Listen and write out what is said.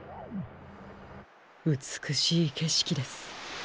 うつくしいけしきです。